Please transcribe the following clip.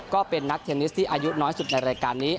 ก็เป็นนักเทนนิสที่อายุน้อยสุดในรายการนี้